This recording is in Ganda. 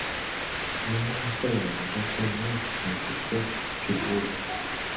Namunswa wa mugaso nnyo mu kiswa ekibuuka.